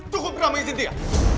cukup beramai siktya